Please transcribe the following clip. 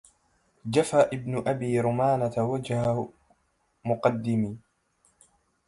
جفا ابن أبي رمانة وجه مقدمي